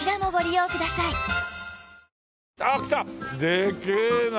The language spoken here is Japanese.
でけえな。